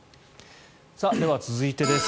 では、続いてです。